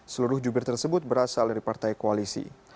seluruh jubir tersebut berasal dari partai koalisi